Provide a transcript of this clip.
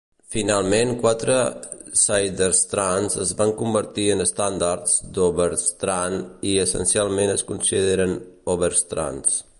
Finalment quatre Sidestrands es van convertir en estàndards d'Overstrand i essencialment es consideren Overstrands.